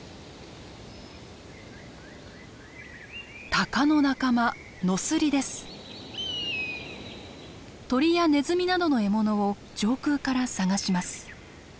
タカの仲間鳥やネズミなどの獲物を上空から探します。